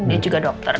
dia juga dokter